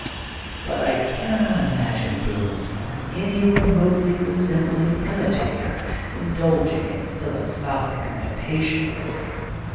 But I cannot imagine Boone or any re motely resembling imitator indulging in phil osophic meditations.